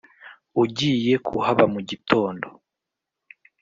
ugiye kuhaba mugitondo